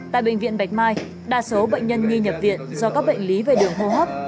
tại bệnh viện bạch mai đa số bệnh nhân nghi nhập viện do các bệnh lý về đường hô hấp